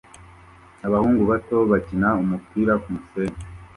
Abahungu bato bakina umupira kumusenyi